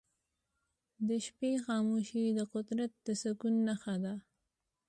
د شپې خاموشي د قدرت د سکون نښه ده.